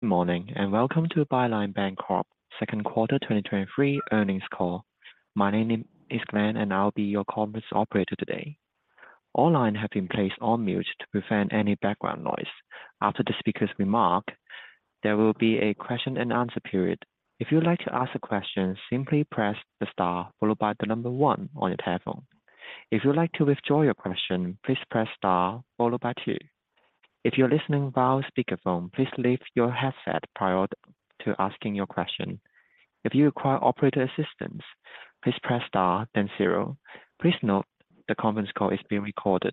Good morning, and welcome to Byline Bancorp Q2 2023 earnings call. My name is Glenn, and I'll be your conference operator today. All lines have been placed on mute to prevent any background noise. After the speakers remark, there will be a question and answer period. If you'd like to ask a question, simply press the star followed by the number 1 on your telephone. If you'd like to withdraw your question, please press star followed by 2. If you're listening via speakerphone, please leave your headset prior to asking your question. If you require operator assistance, please press Star, then 0. Please note, the conference call is being recorded.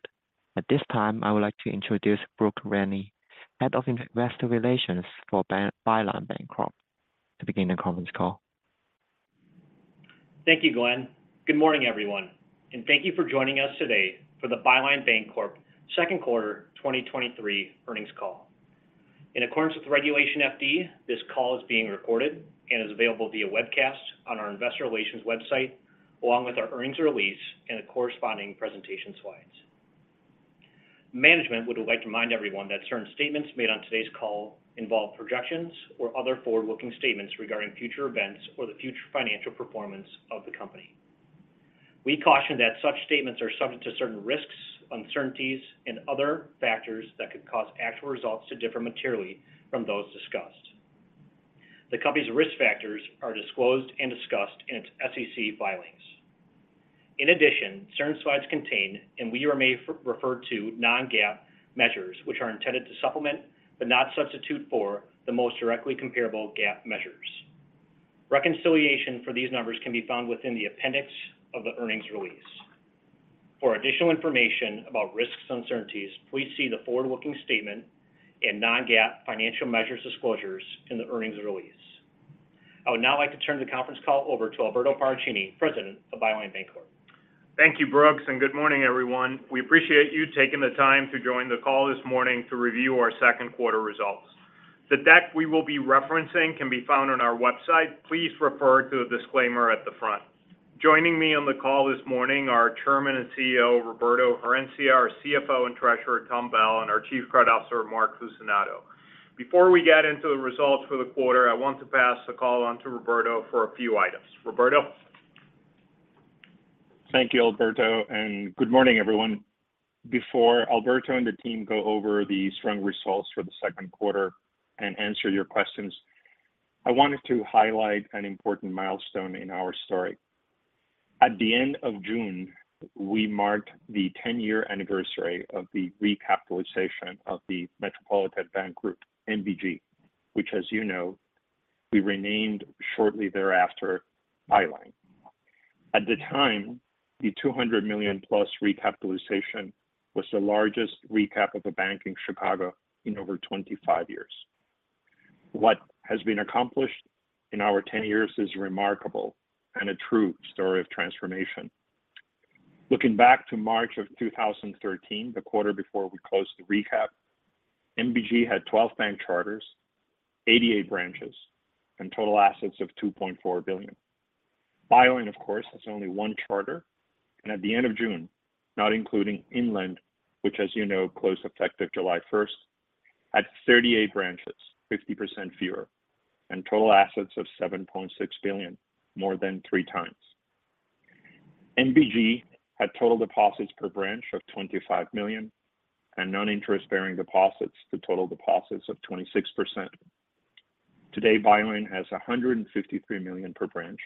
At this time, I would like to introduce Brooks Rennie, Head of Investor Relations for Byline Bancorp, to begin the conference call. Thank you, Glenn. Good morning, everyone, and thank you for joining us today for the Byline Bancorp Q2 2023 earnings call. In accordance with Regulation FD, this call is being recorded and is available via webcast on our investor relations website, along with our earnings release and the corresponding presentation slides. Management would like to remind everyone that certain statements made on today's call involve projections or other forward-looking statements regarding future events or the future financial performance of the company. We caution that such statements are subject to certain risks, uncertainties, and other factors that could cause actual results to differ materially from those discussed. The company's risk factors are disclosed and discussed in its SEC filings. In addition, certain slides contain, and we may re-refer to non-GAAP measures, which are intended to supplement, but not substitute for, the most directly comparable GAAP measures. Reconciliation for these numbers can be found within the appendix of the earnings release. For additional information about risks and uncertainties, please see the forward-looking statement and non-GAAP financial measures disclosures in the earnings release. I would now like to turn the conference call over to Alberto Paracchini, President of Byline Bancorp. Thank you, Brooks, and good morning, everyone. We appreciate you taking the time to join the call this morning to review our Q2 results. The deck we will be referencing can be found on our website. Please refer to the disclaimer at the front. Joining me on the call this morning are our Chairman and CEO, Roberto Herencia, our CFO and Treasurer, Tom Bell, and our Chief Credit Officer, Mark Fucinato. Before we get into the results for the quarter, I want to pass the call on to Roberto for a few items. Roberto? Thank you, Alberto. Good morning, everyone. Before Alberto and the team go over the strong results for the Q2 and answer your questions, I wanted to highlight an important milestone in our story. At the end of June, we marked the 10 year anniversary of the recapitalization of the Metropolitan Bank Group, MBG, which, as you know, we renamed shortly thereafter, Byline. At the time, the $200+ million recapitalization was the largest recap of a bank in Chicago in over 25 years. What has been accomplished in our 10 years is remarkable and a true story of transformation. Looking back to March of 2013, the quarter before we closed the recap, MBG had 12 bank charters, 88 branches, and total assets of $2.4 billion. Byline, of course, has only one charter, and at the end of June, not including Inland, which, as you know, closed effective July 1st, had 38 branches, 50% fewer, and total assets of $7.6 billion, more than 3 times. MBG had total deposits per branch of $25 million and non-interest-bearing deposits to total deposits of 26%. Today, Byline has $153 million per branch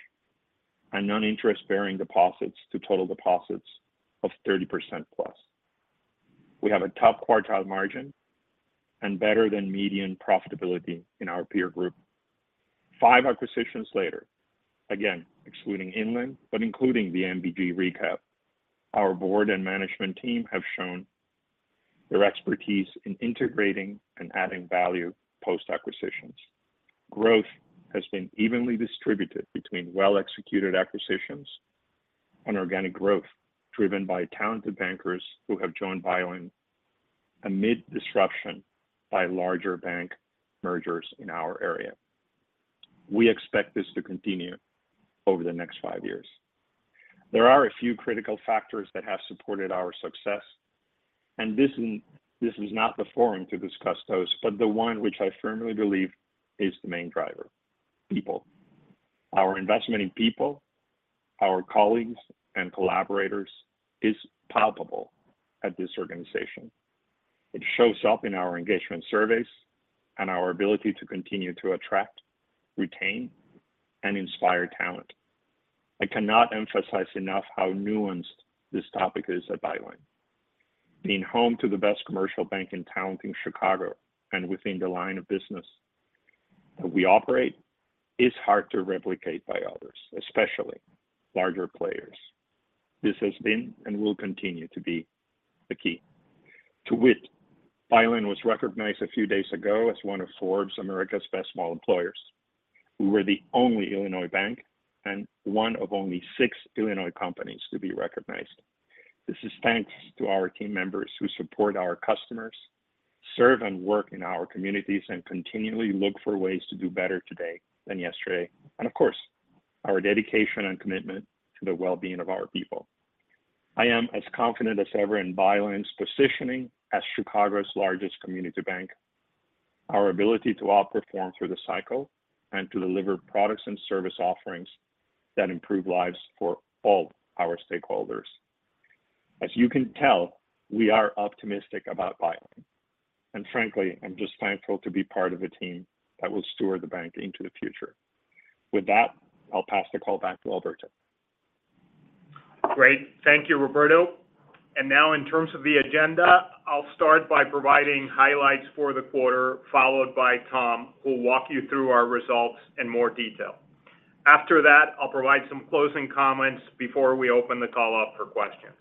and non-interest-bearing deposits to total deposits of 30% plus. We have a top-quartile margin and better-than-median profitability in our peer group. five acquisitions later, again, excluding Inland, but including the MBG recap, our board and management team have shown their expertise in integrating and adding value post-acquisitions. Growth has been evenly distributed between well-executed acquisitions and organic growth, driven by talented bankers who have joined Byline amid disruption by larger bank mergers in our area. We expect this to continue over the next five years. There are a few critical factors that have supported our success. This is not the forum to discuss those, the one which I firmly believe is the main driver: people. Our investment in people, our colleagues and collaborators, is palpable at this organization. It shows up in our engagement surveys and our ability to continue to attract, retain, and inspire talent. I cannot emphasize enough how nuanced this topic is at Byline. Being home to the best commercial bank and talent in Chicago and within the line of business that we operate, is hard to replicate by others, especially larger players. This has been and will continue to be the key. To wit, Byline was recognized a few days ago as one of Forbes America's Best Small Employers. We were the only Illinois bank and one of only six Illinois companies to be recognized. This is thanks to our team members who support our customers, serve and work in our communities, and continually look for ways to do better today than yesterday, and of course, our dedication and commitment to the well-being of our people. I am as confident as ever in Byline's positioning as Chicago's largest community bank. Our ability to outperform through the cycle, and to deliver products and service offerings that improve lives for all our stakeholders. As you can tell, we are optimistic about Byline. Frankly, I'm just thankful to be part of a team that will steward the bank into the future. With that, I'll pass the call back to Alberto. Great. Thank you, Roberto. Now, in terms of the agenda, I'll start by providing highlights for the quarter, followed by Tom, who will walk you through our results in more detail. After that, I'll provide some closing comments before we open the call up for questions.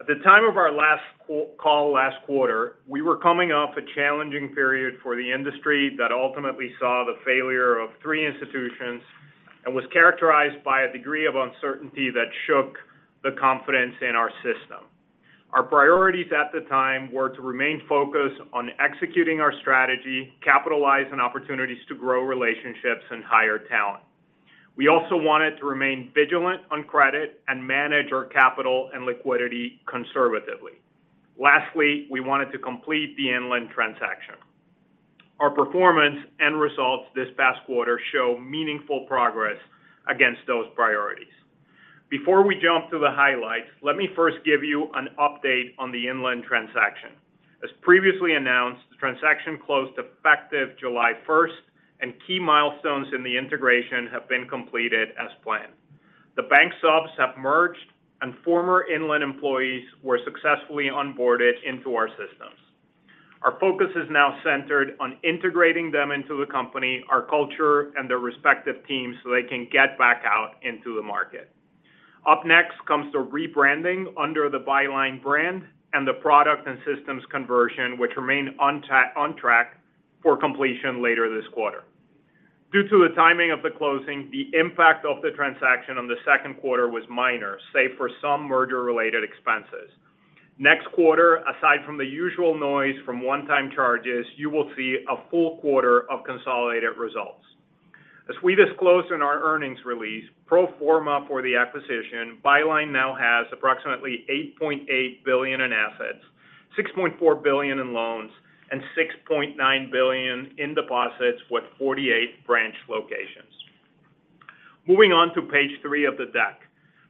At the time of our last call last quarter, we were coming off a challenging period for the industry that ultimately saw the failure of three institutions, and was characterized by a degree of uncertainty that shook the confidence in our system. Our priorities at the time were to remain focused on executing our strategy, capitalizing opportunities to grow relationships and hire talent. We also wanted to remain vigilant on credit and manage our capital and liquidity conservatively. Lastly, we wanted to complete the Inland transaction. Our performance and results this past quarter show meaningful progress against those priorities. Before we jump to the highlights, let me first give you an update on the Inland transaction. As previously announced, the transaction closed effective July 1st. Key milestones in the integration have been completed as planned. The bank subs have merged. Former Inland employees were successfully onboarded into our systems. Our focus is now centered on integrating them into the company, our culture, and their respective teams, so they can get back out into the market. Up next, comes the rebranding under the Byline brand and the product and systems conversion, which remain on track for completion later this quarter. Due to the timing of the closing, the impact of the transaction on the Q2 was minor, save for some merger-related expenses. Next quarter, aside from the usual noise from one-time charges, you will see a full quarter of consolidated results. As we disclosed in our earnings release, pro forma for the acquisition, Byline now has approximately $8.8 billion in assets, $6.4 billion in loans, and $6.9 billion in deposits, with 48 branch locations. Moving on to page three of the deck.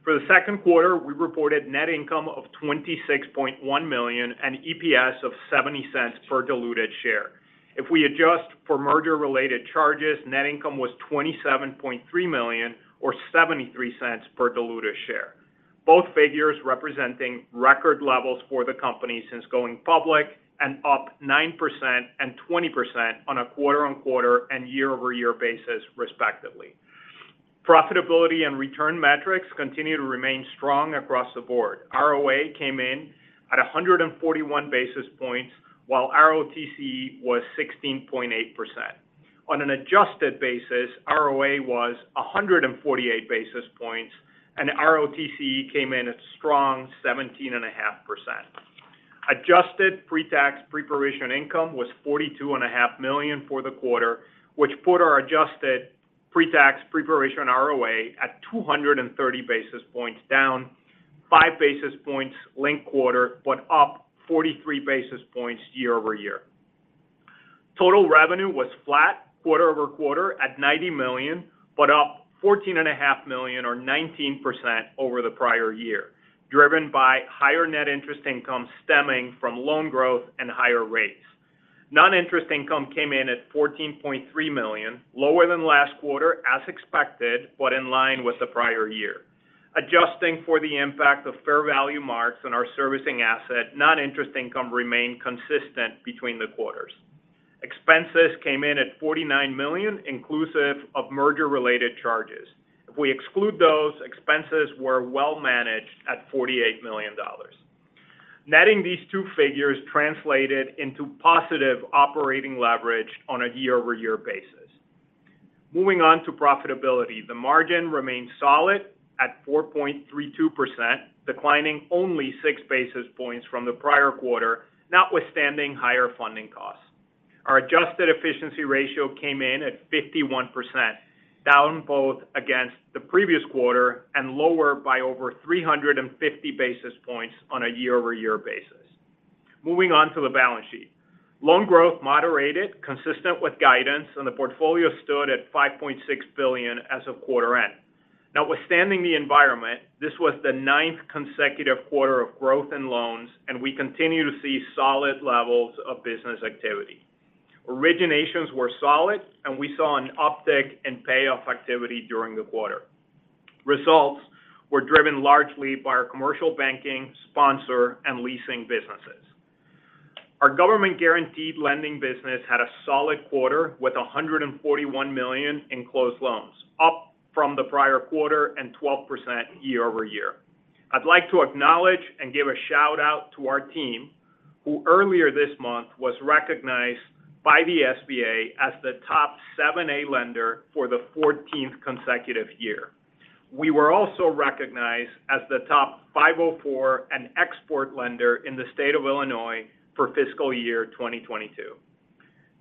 For the Q2, we reported net income of $26.1 million and EPS of $0.70 per diluted share. If we adjust for merger-related charges, net income was $27.3 million or $0.73 per diluted share. Both figures representing record levels for the company since going public and up 9% and 20% on a quarter-on-quarter and year-over-year basis, respectively. Profitability and return metrics continue to remain strong across the board. ROA came in at 141 basis points, while ROTCE was 16.8%. On an adjusted basis, ROA was 148 basis points, and ROTCE came in at a strong 17.5%. Adjusted pre-tax pre-provision income was $42.5 million for the quarter, which put our adjusted pre-tax pre-provision ROA at 230 basis points, down 5 basis points linked quarter, but up 43 basis points year-over-year. Total revenue was flat quarter-over-quarter at $90 million, but up $14.5 million or 19% over the prior year, driven by higher net interest income stemming from loan growth and higher rates. Non-interest income came in at $14.3 million, lower than last quarter, as expected, but in line with the prior year. Adjusting for the impact of fair value marks on our servicing asset, non-interest income remained consistent between the quarters. Expenses came in at $49 million, inclusive of merger-related charges. If we exclude those, expenses were well managed at $48 million. Netting these two figures translated into positive operating leverage on a year-over-year basis. Moving on to profitability. The margin remains solid at 4.32%, declining only 6 basis points from the prior quarter, notwithstanding higher funding costs. Our adjusted efficiency ratio came in at 51%, down both against the previous quarter and lower by over 350 basis points on a year-over-year basis. Moving on to the balance sheet. Loan growth moderated, consistent with guidance, and the portfolio stood at $5.6 billion as of quarter end. Notwithstanding the environment, this was the 9th consecutive quarter of growth in loans, and we continue to see solid levels of business activity. Originations were solid, and we saw an uptick in payoff activity during the quarter. Results were driven largely by our commercial banking, sponsor, and leasing businesses. Our government-guaranteed lending business had a solid quarter with $141 million in closed loans, up from the prior quarter and 12% year-over-year. I'd like to acknowledge and give a shout-out to our team, who earlier this month was recognized by the SBA as the top 7(a) lender for the 14th consecutive year. We were also recognized as the top 504 and export lender in the state of Illinois for fiscal year 2022.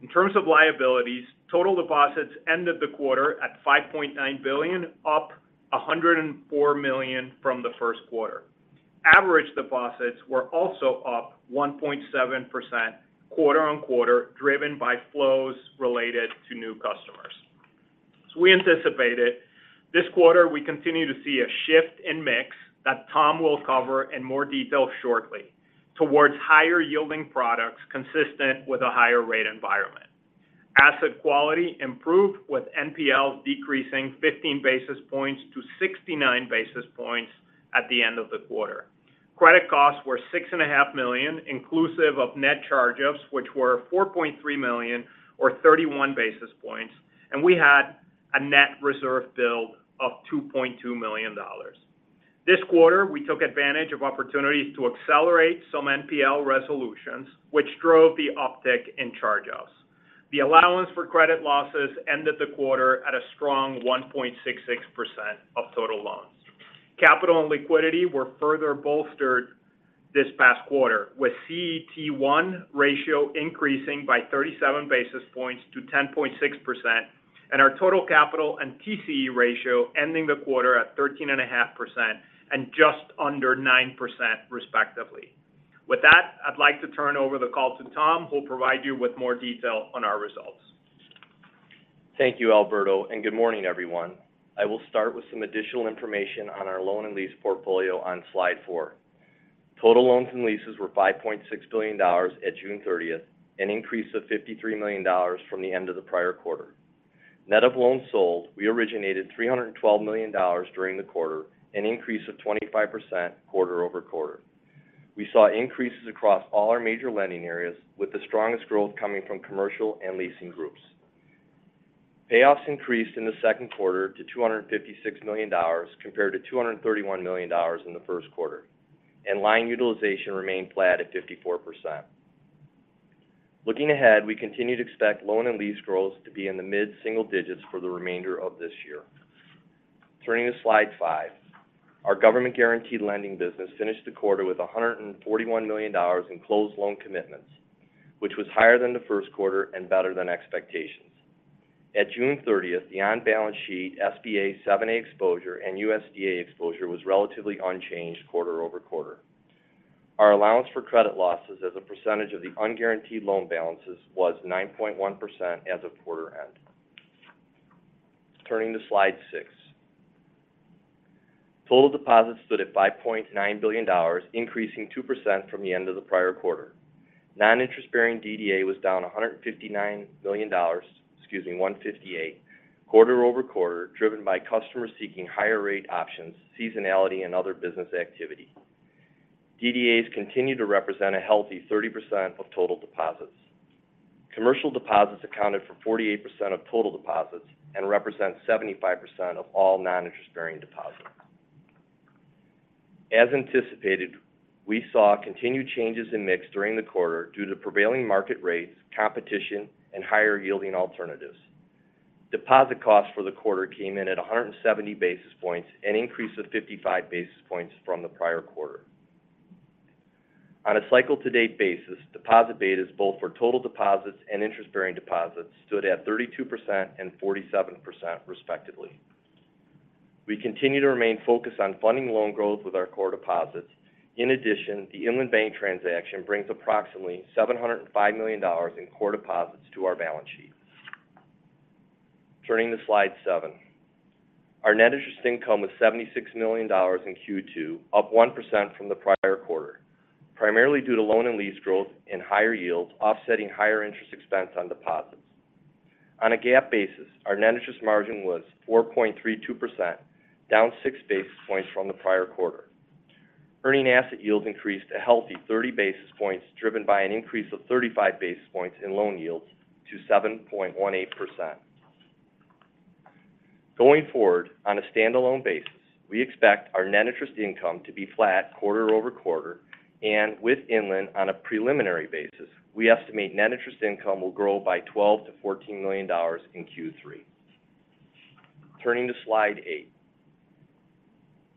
In terms of liabilities, total deposits ended the quarter at $5.9 billion, up $104 million from the Q1. Average deposits were also up 1.7% quarter-on-quarter, driven by flows related to new customers. We anticipated this quarter, we continue to see a shift in mix that Tom will cover in more detail shortly, towards higher-yielding products consistent with a higher rate environment. Asset quality improved, with NPLs decreasing 15 basis points to 69 basis points at the end of the quarter. Credit costs were $6.5 million, inclusive of net charge-offs, which were $4.3 million or 31 basis points, and we had a net reserve build of $2.2 million. This quarter, we took advantage of opportunities to accelerate some NPL resolutions, which drove the uptick in charge-offs. The allowance for credit losses ended the quarter at a strong 1.66% of total loans. Capital and liquidity were further bolstered this past quarter, with CET1 ratio increasing by 37 basis points to 10.6%, and our total capital and TCE ratio ending the quarter at 13.5% and just under 9%, respectively. With that, I'd like to turn over the call to Tom, who will provide you with more detail on our results. Thank you, Alberto. Good morning, everyone. I will start with some additional information on our loan and lease portfolio on slide four. Total loans and leases were $5.6 billion at June 30th, an increase of $53 million from the end of the prior quarter. Net of loans sold, we originated $312 million during the quarter, an increase of 25% quarter-over-quarter. We saw increases across all our major lending areas, with the strongest growth coming from commercial and leasing groups. Payoffs increased in the Q2 to $256 million, compared to $231 million in the Q1. Line utilization remained flat at 54%. Looking ahead, we continue to expect loan and lease growth to be in the mid-single digits for the remainder of this year. Turning to slide five. Our government-guaranteed lending business finished the quarter with $141 million in closed loan commitments, which was higher than the Q1 and better than expectations. At June 30th, the on-balance sheet SBA 7(a) exposure and USDA exposure was relatively unchanged quarter-over-quarter. Our allowance for credit losses as a percentage of the unguaranteed loan balances was 9.1% as of quarter end. Turning to slide six. Total deposits stood at $5.9 billion, increasing 2% from the end of the prior quarter. Non-interest-bearing DDA was down $159 million, excuse me, $158, quarter-over-quarter, driven by customers seeking higher rate options, seasonality, and other business activity. DDAs continue to represent a healthy 30% of total deposits. Commercial deposits accounted for 48% of total deposits and represent 75% of all non-interest-bearing deposits. As anticipated, we saw continued changes in mix during the quarter due to prevailing market rates, competition, and higher-yielding alternatives. Deposit costs for the quarter came in at 170 basis points, an increase of 55 basis points from the prior quarter. On a cycle-to-date basis, deposit betas, both for total deposits and interest-bearing deposits, stood at 32% and 47%, respectively. We continue to remain focused on funding loan growth with our core deposits. In addition, the Inland Bank transaction brings approximately $705 million in core deposits to our balance sheet. Turning to slide seven. Our net interest income was $76 million in Q2, up 1% from the prior quarter, primarily due to loan and lease growth and higher yields offsetting higher interest expense on deposits. On a GAAP basis, our net interest margin was 4.32%, down 6 basis points from the prior quarter. Earning asset yields increased a healthy 30 basis points, driven by an increase of 35 basis points in loan yields to 7.18%. Going forward, on a stand-alone basis, we expect our net interest income to be flat quarter-over-quarter. With Inland on a preliminary basis, we estimate net interest income will grow by $12 million-$14 million in Q3. Turning to slide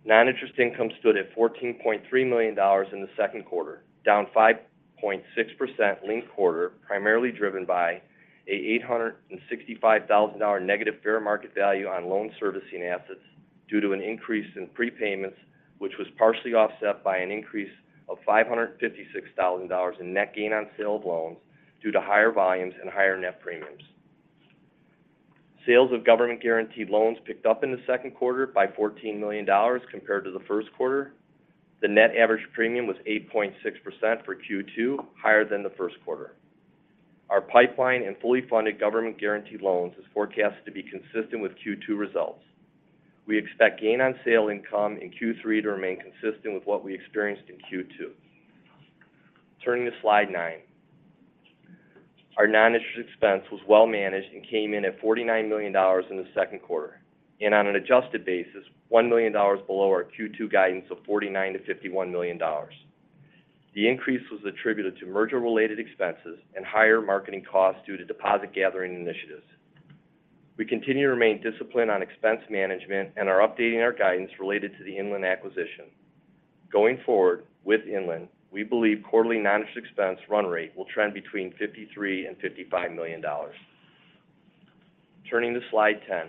eight. Non-interest income stood at $14.3 million in the Q2, down 5.6% linked quarter, primarily driven by a $865,000 negative fair market value on loan servicing assets due to an increase in prepayments, which was partially offset by an increase of $556,000 in net gain on sale of loans due to higher volumes and higher net premiums. Sales of government-guaranteed loans picked up in the Q2 by $14 million compared to the Q1. The net average premium was 8.6% for Q2, higher than the Q1. Our pipeline in fully funded government-guaranteed loans is forecast to be consistent with Q2 results. We expect gain on sale income in Q3 to remain consistent with what we experienced in Q2. Turning to slide nine. Our non-interest expense was well managed and came in at $49 million in the Q2, and on an adjusted basis, $1 million below our Q2 guidance of $49 million-$51 million. The increase was attributed to merger-related expenses and higher marketing costs due to deposit gathering initiatives. We continue to remain disciplined on expense management and are updating our guidance related to the Inland acquisition. Going forward, with Inland, we believe quarterly non-interest expense run rate will trend between $53 million-$55 million. Turning to slide 10.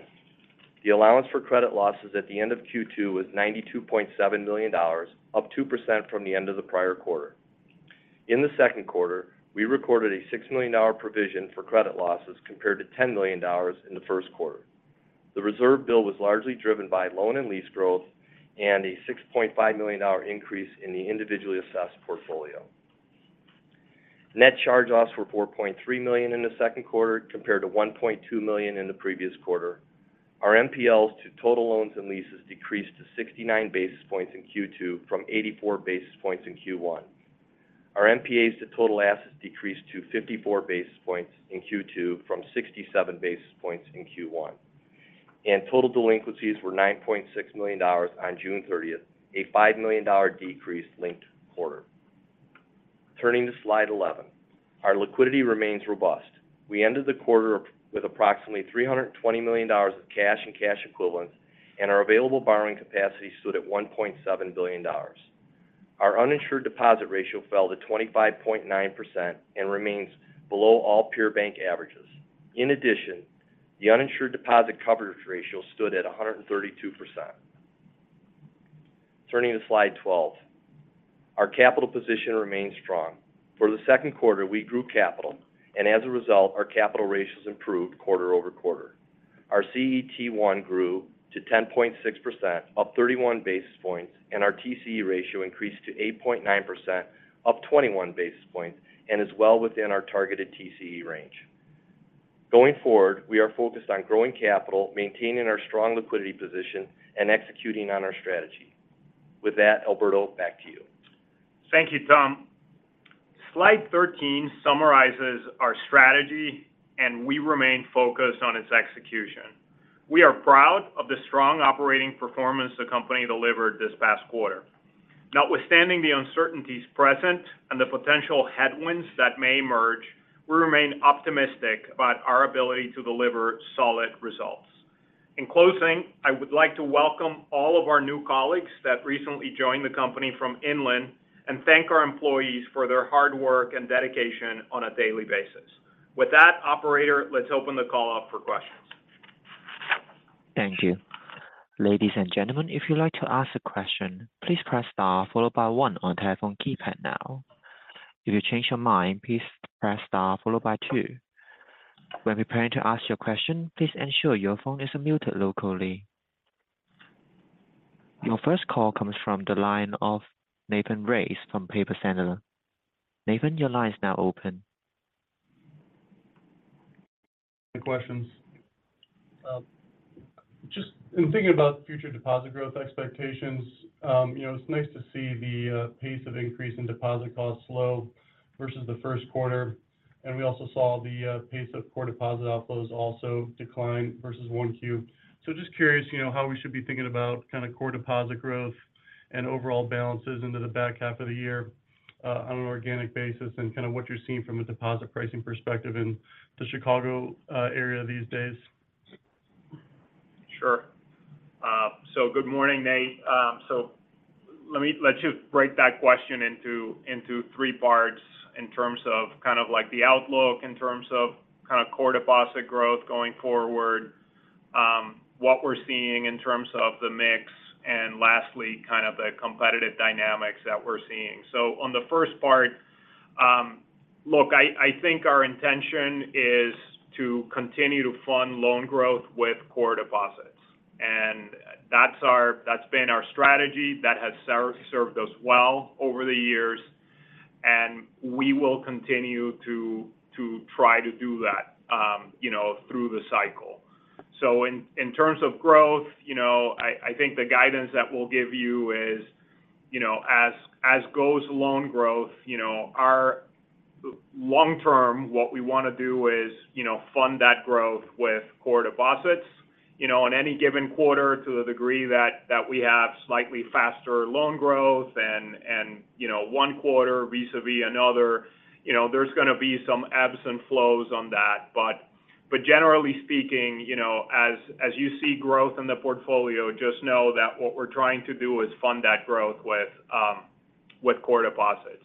The allowance for credit losses at the end of Q2 was $92.7 million, up 2% from the end of the prior quarter. In the Q2, we recorded a $6 million provision for credit losses, compared to $10 million in the Q1. The reserve bill was largely driven by loan and lease growth and a $6.5 million increase in the individually assessed portfolio. Net charge-offs were $4.3 million in the Q2, compared to $1.2 million in the previous quarter. Our NPLs to total loans and leases decreased to 69 basis points in Q2 from 84 basis points in Q1. Our NPAs to total assets decreased to 54 basis points in Q2 from 67 basis points in Q1. Total delinquencies were $9.6 million on June 30th, a $5 million decrease linked quarter. Turning to slide 11. Our liquidity remains robust. We ended the quarter with approximately $320 million of cash and cash equivalents, and our available borrowing capacity stood at $1.7 billion. Our uninsured deposit ratio fell to 25.9% and remains below all peer bank averages. In addition, the uninsured deposit coverage ratio stood at 132%. Turning to slide 12. Our capital position remains strong. For the Q2, we grew capital, and as a result, our capital ratios improved quarter-over-quarter. Our CET1 grew to 10.6%, up 31 basis points, and our TCE ratio increased to 8.9%, up 21 basis points and is well within our targeted TCE range. Going forward, we are focused on growing capital, maintaining our strong liquidity position, and executing on our strategy. With that, Alberto, back to you. Thank you, Tom. Slide 13 summarizes our strategy, and we remain focused on its execution. We are proud of the strong operating performance the company delivered this past quarter. Notwithstanding the uncertainties present and the potential headwinds that may emerge, we remain optimistic about our ability to deliver solid results. In closing, I would like to welcome all of our new colleagues that recently joined the company from Inland and thank our employees for their hard work and dedication on a daily basis. With that, operator, let's open the call up for questions. Thank you. Ladies and gentlemen, if you'd like to ask a question, please press star followed by 1 on telephone keypad now. If you change your mind, please press star followed by 2. When preparing to ask your question, please ensure your phone is muted locally. Your first call comes from the line of Nathan Race from Piper Sandler. Nathan, your line is now open. Questions. Just in thinking about future deposit growth expectations, you know, it's nice to see the pace of increase in deposit costs slow versus the 1st quarter. We also saw the pace of core deposit outflows also decline versus 1Q. Just curious, you know, how we should be thinking about kind of core deposit growth and overall balances into the back half of the year on an organic basis, and kind of what you're seeing from a deposit pricing perspective in the Chicago area these days? Sure. Good morning, Nate. Let's just break that question into, into three parts in terms of kind of like the outlook, in terms of kind of core deposit growth going forward, what we're seeing in terms of the mix, and lastly, kind of the competitive dynamics that we're seeing. On the first part, look, I, I think our intention is to continue to fund loan growth with core deposits, and that's our-- that's been our strategy. That has served us well over the years, and we will continue to, to try to do that, you know, through the cycle. In, in terms of growth, you know, I, I think the guidance that we'll give you is, you know, as, as goes loan growth, you know, long term, what we want to do is, you know, fund that growth with core deposits. You know, on any given quarter, to the degree that, that we have slightly faster loan growth and, and, you know, one quarter vis-à-vis another, you know, there's gonna be some ebbs and flows on that. Generally speaking, you know, as, as you see growth in the portfolio, just know that what we're trying to do is fund that growth with core deposits.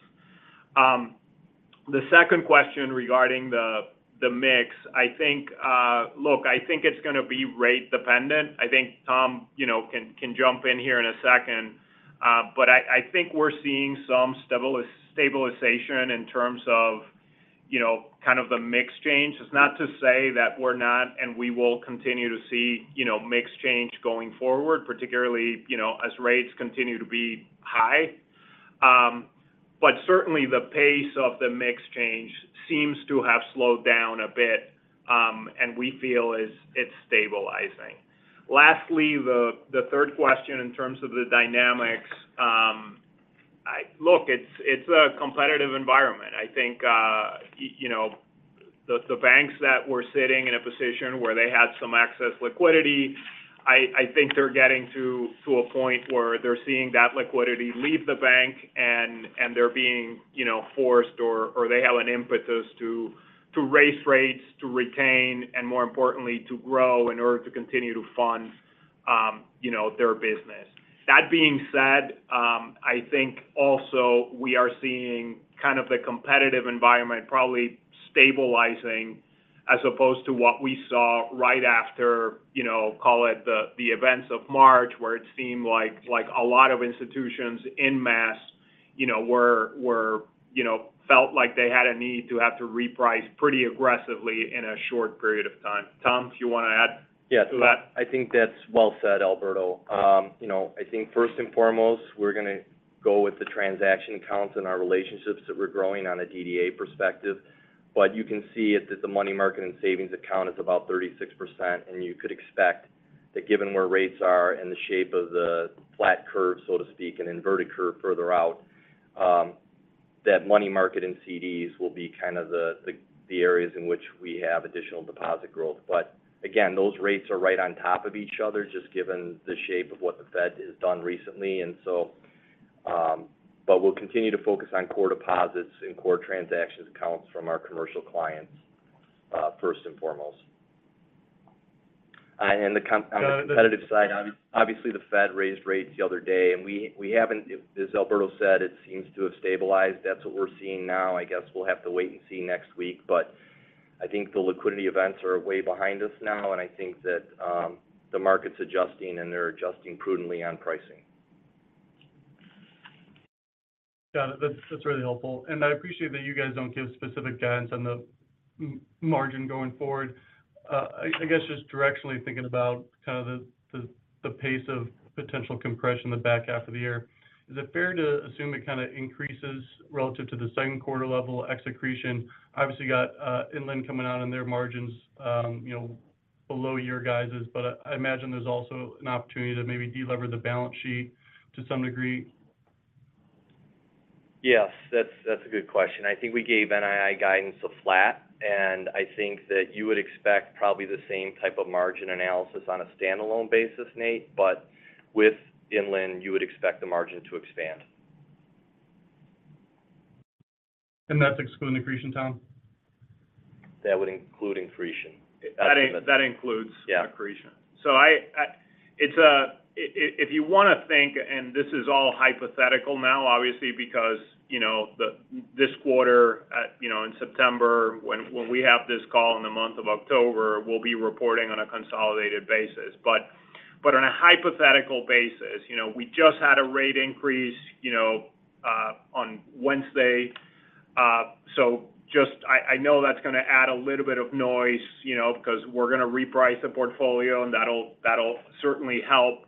The second question regarding the, the mix, I think, look, I think it's gonna be rate dependent. I think Tom, you know, can, can jump in here in a second. I, I think we're seeing some stabilization in terms of, you know, kind of the mix change. It's not to say that we're not, and we will continue to see, you know, mix change going forward, particularly, you know, as rates continue to be high. Certainly, the pace of the mix change seems to have slowed down a bit, and we feel it's, it's stabilizing. Lastly, the, the third question in terms of the dynamics, look, it's, it's a competitive environment. I think, you know, the, the banks that were sitting in a position where they had some excess liquidity,... I think they're getting to a point where they're seeing that liquidity leave the bank, and they're being, you know, forced or, or they have an impetus to, to raise rates, to retain, and more importantly, to grow in order to continue to fund, you know, their business. That being said, I think also we are seeing kind of the competitive environment probably stabilizing, as opposed to what we saw right after, you know, call it the, the events of March, where it seemed like, like a lot of institutions en masse, you know, were, you know, felt like they had a need to have to reprice pretty aggressively in a short period of time. Tom, do you want to add to that? Yeah, I think that's well said, Alberto. Yeah. You know, I think first and foremost, we're going to go with the transaction counts and our relationships that we're growing on a DDA perspective. You can see it, that the money market and savings account is about 36%, and you could expect that given where rates are and the shape of the flat curve, so to speak, and inverted curve further out, that money market and CDs will be kind of the, the, the areas in which we have additional deposit growth. Again, those rates are right on top of each other, just given the shape of what the Fed has done recently. We'll continue to focus on core deposits and core transactions accounts from our commercial clients, first and foremost. And the com- Uh- On the competitive side, obviously, the Fed raised rates the other day. As Alberto said, it seems to have stabilized. That's what we're seeing now. I guess we'll have to wait and see next week. I think the liquidity events are way behind us now, and I think that the market's adjusting, and they're adjusting prudently on pricing. Got it. That's, that's really helpful. I appreciate that you guys don't give specific guidance on the margin going forward. I guess just directionally thinking about kind of the pace of potential compression the back half of the year, is it fair to assume it kind of increases relative to the Q2 level? Accretion obviously got Inland coming out in their margins, you know, below your guys'. I, I imagine there's also an opportunity to maybe delever the balance sheet to some degree. Yes, that's, that's a good question. I think we gave NII guidance of flat, and I think that you would expect probably the same type of margin analysis on a standalone basis, Nate. With Inland, you would expect the margin to expand. That's excluding accretion, Tom? That would include accretion. That includes. Yeah... accretion. It's if you want to think, and this is all hypothetical now, obviously, because, you know, this quarter at, you know, in September, when, when we have this call in the month of October, we'll be reporting on a consolidated basis. But on a hypothetical basis, you know, we just had a rate increase, you know, on Wednesday. Just I, I know that's going to add a little bit of noise, you know, because we're going to reprice the portfolio, and that'll, that'll certainly help.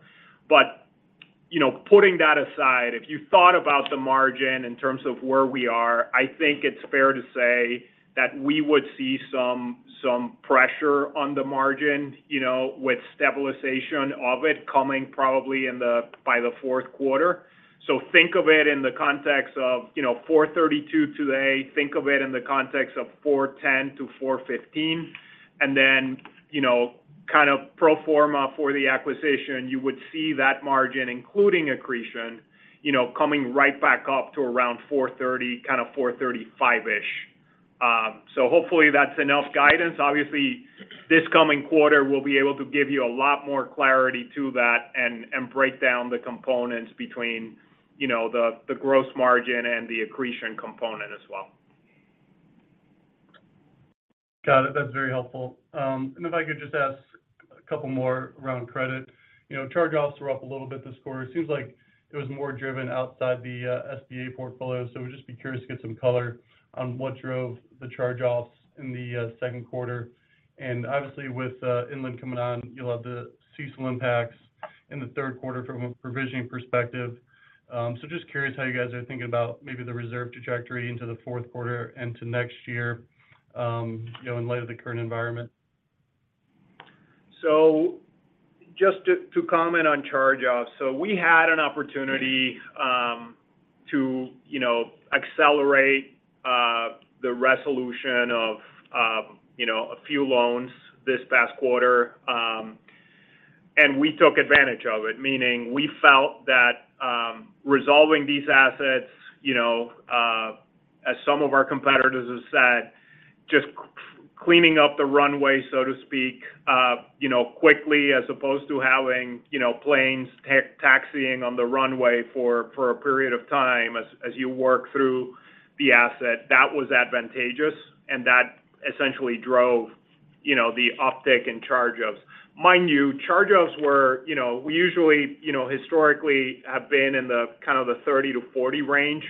You know, putting that aside, if you thought about the margin in terms of where we are, I think it's fair to say that we would see some, some pressure on the margin, you know, with stabilization of it coming probably by the Q4. Think of it in the context of, you know, 4.32 today. Think of it in the context of 4.10-4.15, and then, you know, kind of pro forma for the acquisition. You would see that margin, including accretion, you know, coming right back up to around 4.30, kind of 4.35-ish. So hopefully, that's enough guidance. Obviously, this coming quarter, we'll be able to give you a lot more clarity to that and, and break down the components between, you know, the, the gross margin and the accretion component as well. Got it. That's very helpful. If I could just ask a couple more around credit. You know, charge-offs were up a little bit this quarter. It seems like it was more driven outside the SBA portfolio. Just be curious to get some color on what drove the charge-offs in the 2Q. Obviously, with Inland coming on, you'll have the CECL impacts in the 3Q from a provisioning perspective. Just curious how you guys are thinking about maybe the reserve trajectory into the 4Q and to next year, you know, in light of the current environment. Just to, to comment on charge-offs, we had an opportunity, to, you know, accelerate, the resolution of, you know, a few loans this past quarter. We took advantage of it, meaning we felt that, resolving these assets, you know, as some of our competitors have said, just cleaning up the runway, so to speak, you know, quickly, as opposed to having, you know, planes taxiing on the runway for, for a period of time as, as you work through the asset, that was advantageous, and that essentially drove, you know, the uptick in charge-offs. Mind you, charge-offs were, you know, we usually, you know, historically, have been in the kind of the 30-40 range.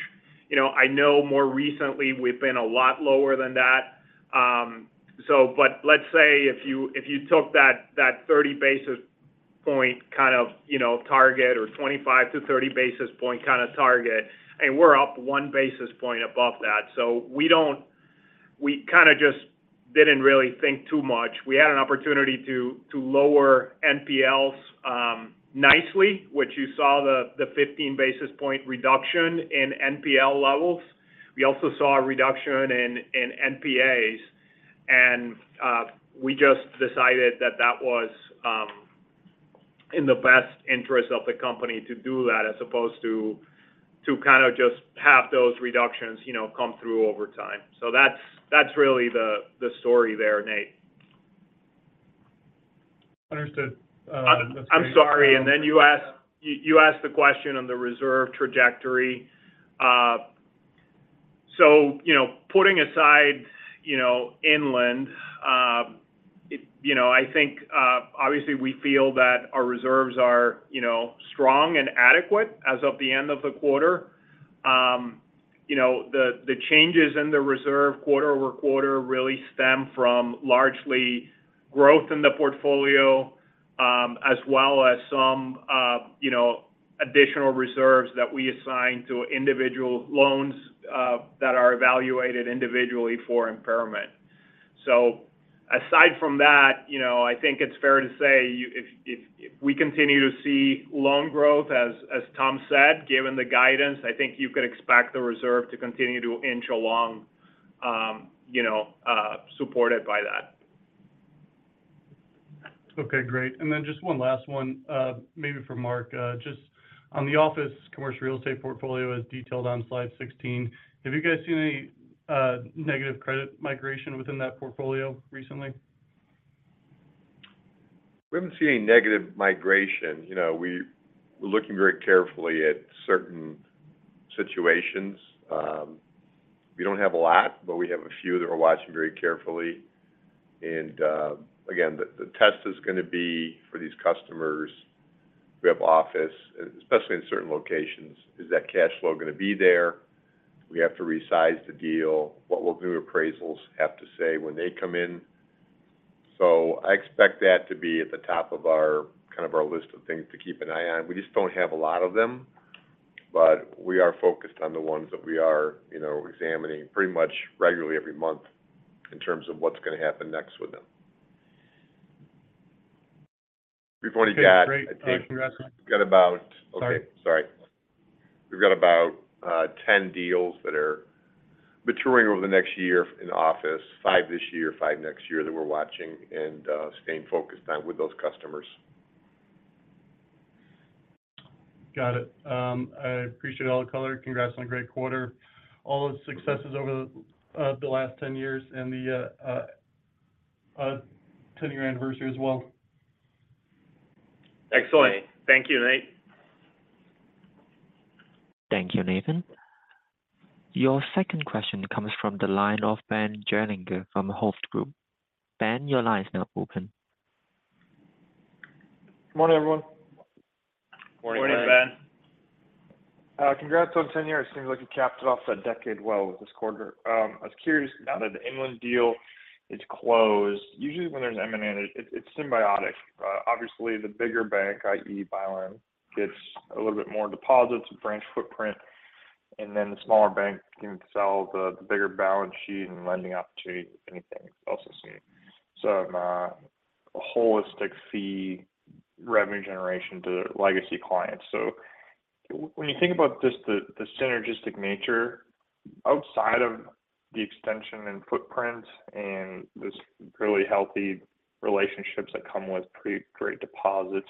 You know, I know more recently, we've been a lot lower than that. But let's say if you, if you took that, that 30 basis point kind of, you know, target or 25-30 basis point kind of target, and we're up 1 basis point above that. We kind of just didn't really think too much. We had an opportunity to, to lower NPLs nicely, which you saw the 15 basis point reduction in NPL levels. We also saw a reduction in NPAs, and we just decided that that was in the best interest of the company to do that, as opposed to, to kind of just have those reductions, you know, come through over time. That's, that's really the story there, Nate. Understood. I'm sorry, then you asked, you asked the question on the reserve trajectory. You know, putting aside, you know, Inland, you know, I think, obviously we feel that our reserves are, you know, strong and adequate as of the end of the quarter. You know, the, the changes in the reserve quarter-over-quarter really stem from largely growth in the portfolio, as well as some, you know, additional reserves that we assign to individual loans that are evaluated individually for impairment. Aside from that, you know, I think it's fair to say, if, if, if we continue to see loan growth, as, as Tom said, given the guidance, I think you can expect the reserve to continue to inch along, you know, supported by that. Okay, great. Just one last one, maybe for Mark. Just on the office, commercial real estate portfolio as detailed on slide 16, have you guys seen any, negative credit migration within that portfolio recently? We haven't seen any negative migration. You know, we're looking very carefully at certain situations. We don't have a lot, but we have a few that we're watching very carefully. Again, the, the test is gonna be for these customers who have office, especially in certain locations, is that cash flow gonna be there? We have to resize the deal. What will new appraisals have to say when they come in? I expect that to be at the top of our, kind of our list of things to keep an eye on. We just don't have a lot of them, but we are focused on the ones that we are, you know, examining pretty much regularly every month in terms of what's gonna happen next with them. Before I get- Great. congrats. We've got about. Sorry. Okay, sorry. We've got about 10 deals that are maturing over the next year in office. 5 this year, 5 next year, that we're watching and staying focused on with those customers. Got it. I appreciate all the color. Congrats on a great quarter. All the successes over the last 10 years and the 10 year anniversary as well. Excellent. Thank you, Nate. Thank you, Nathan. Your second question comes from the line of Ben Gerlinger from Hovde Group. Ben, your line is now open. Good morning, everyone. Morning, Ben. Morning, Ben. Congrats on 10 years. It seems like you capped off that decade well with this quarter. I was curious, now that the Inland deal is closed, usually when there's M&A, it's symbiotic. Obviously, the bigger bank, i.e., Byline, gets a little bit more deposits and branch footprint, and then the smaller bank can sell the bigger balance sheet and lending opportunity if anything else is needed. A holistic fee revenue generation to legacy clients. When you think about just the synergistic nature outside of the extension and footprint and this really healthy relationships that come with great deposits,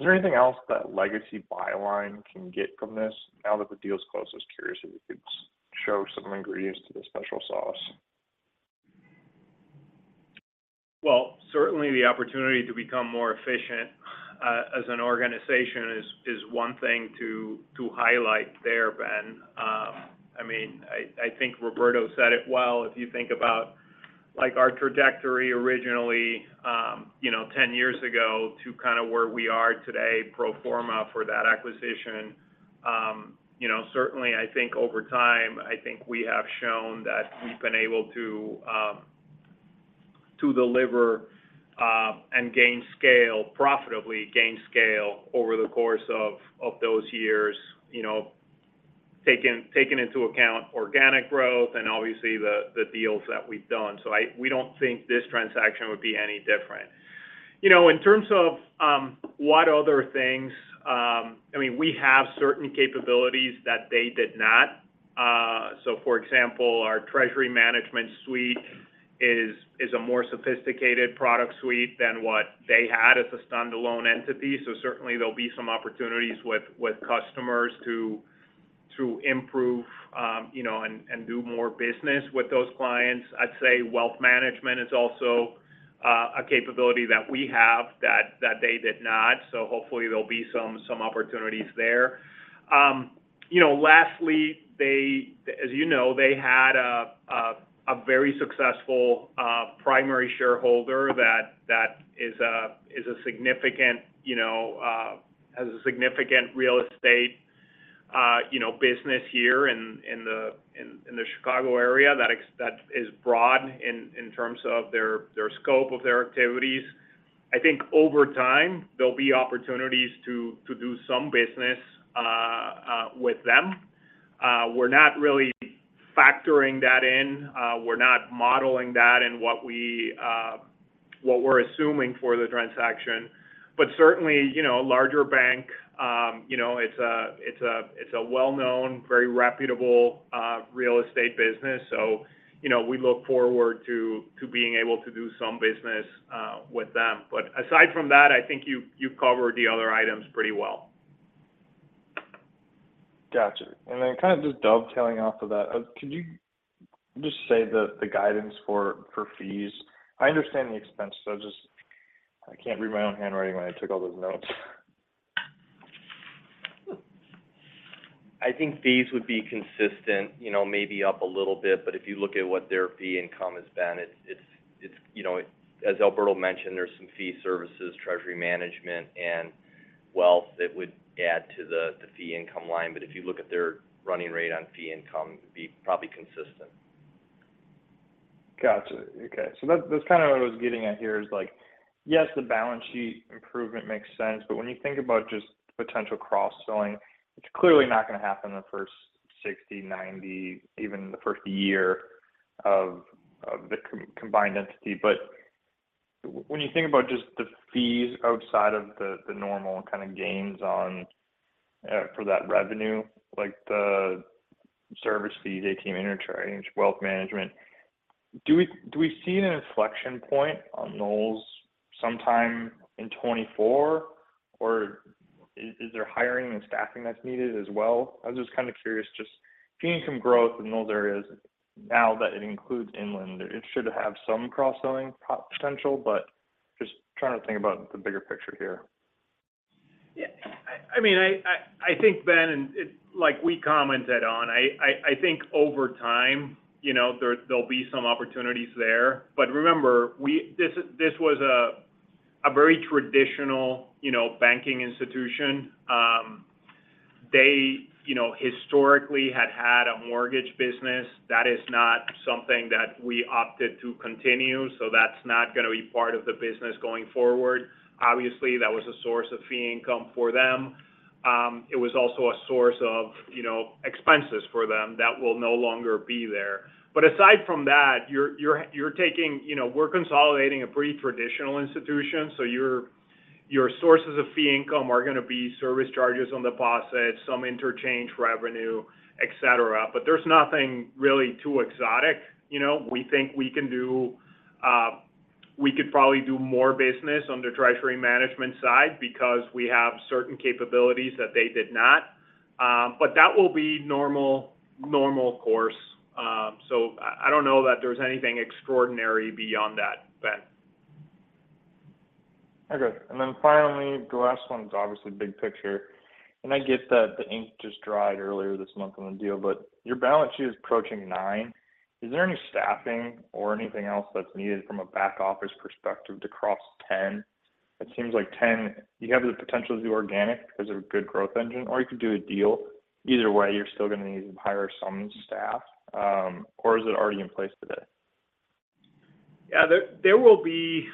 is there anything else that legacy Byline can get from this now that the deal's closed? I was curious if you could show some ingredients to the special sauce. Well, certainly the opportunity to become more efficient, as an organization is, is one thing to, to highlight there, Ben. I mean, I, I think Roberto said it well. If you think about, like, our trajectory originally, you know, 10 years ago to kind of where we are today, pro forma for that acquisition, you know, certainly I think over time, I think we have shown that we've been able to, to deliver, and gain scale, profitably gain scale over the course of, of those years. You know, taking, taking into account organic growth and obviously the, the deals that we've done. We don't think this transaction would be any different. You know, in terms of, what other things, I mean, we have certain capabilities that they did not. For example, our treasury management suite is, is a more sophisticated product suite than what they had as a standalone entity. Certainly there'll be some opportunities with, with customers to, to improve, you know, and, and do more business with those clients. I'd say wealth management is also a capability that we have that, that they did not. Hopefully there'll be some, some opportunities there. You know, lastly, as you know, they had a very successful primary shareholder that, that is a, is a significant, you know, has a significant real estate, you know, business here in the Chicago area that is broad in terms of their scope of their activities. I think over time, there'll be opportunities to, to do some business with them. We're not really factoring that in. We're not modeling that in what we, what we're assuming for the transaction. Certainly, you know, a larger bank, you know, it's a, it's a, it's a well-known, very reputable, real estate business, so, you know, we look forward to, to being able to do some business, with them. Aside from that, I think you, you covered the other items pretty well. Gotcha. Kind of just dovetailing off of that, can you just say the, the guidance for, for fees? I understand the expenses, so just I can't read my own handwriting when I took all those notes. I think fees would be consistent, you know, maybe up a little bit. If you look at what their fee income has been, it's, you know, as Alberto mentioned, there's some fee services, treasury management, and wealth that would add to the fee income line. If you look at their running rate on fee income, it'd be probably consistent. Gotcha. Okay. That, that's kind of what I was getting at here is like, yes, the balance sheet improvement makes sense, when you think about just potential cross-selling, it's clearly not gonna happen in the 1st 60, 90, even the 1st year of the combined entity. When you think about just the fees outside of the, the normal kind of gains on for that revenue, like the service fees, ATM interchange, wealth management, do we, do we see an inflection point on Knowles sometime in 2024, or is, is there hiring and staffing that's needed as well? I'm just kind of curious, just fee income growth in those areas now that it includes Inland. It should have some cross-selling potential, but just trying to think about the bigger picture here. Yeah, I mean, I think, Ben, like we commented on, I think over time, you know, there'll be some opportunities there. Remember, this was a very traditional, you know, banking institution. They, you know, historically had had a mortgage business. That is not something that we opted to continue, so that's not gonna be part of the business going forward. Obviously, that was a source of fee income for them. It was also a source of, you know, expenses for them that will no longer be there. Aside from that, you're taking, you know, we're consolidating a pretty traditional institution, so your sources of fee income are gonna be service charges on deposits, some interchange revenue, et cetera. There's nothing really too exotic. You know, we think we can we could probably do more business on the treasury management side because we have certain capabilities that they did not. That will be normal, normal course. I, I don't know that there's anything extraordinary beyond that, Ben. Okay. Then finally, the last one is obviously big picture. I get that the ink just dried earlier this month on the deal. Your balance sheet is approaching $9 billion. Is there any staffing or anything else that's needed from a back office perspective to cross $10 billion? It seems like $10 billion, you have the potential to do organic because of a good growth engine, or you could do a deal. Either way, you're still gonna need to hire some staff, or is it already in place today? Yeah, there, there will be.